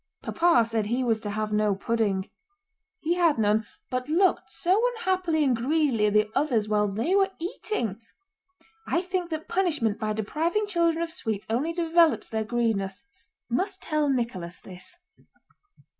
Papa said he was to have no pudding. He had none, but looked so unhappily and greedily at the others while they were eating! I think that punishment by depriving children of sweets only develops their greediness. Must tell Nicholas this.